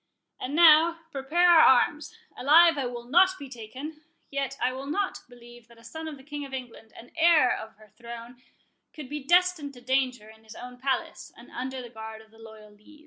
—And now, prepare our arms—alive I will not be taken;— yet I will not believe that a son of the King of England, and heir of her throne, could be destined to danger in his own palace, and under the guard of the loyal Lees."